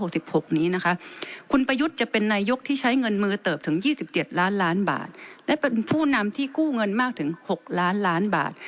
ซึ่งนำที่กู้เงินมากถึง๖ล้านล้านบาท